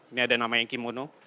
ini ada nama yang kimono